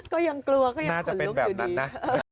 ก็ยังกลัวก็ยังขนลุกอยู่ดี